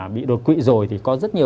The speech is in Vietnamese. bị đột quỵ rồi thì có rất nhiều